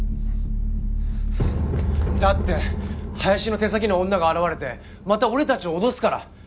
だって林の手先の女が現れてまた俺たちを脅すから。